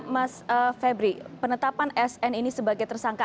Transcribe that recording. mas febri penetapan sn ini sebagai tersangka